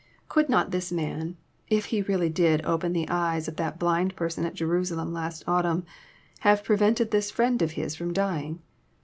"Could not this Man, if He really did open the eyes of that blind person at Jerusalem last autumn, have prevented this friend of His from dying?